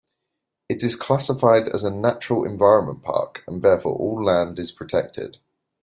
It is classified as a Natural Environment Park and therefore all land is protected.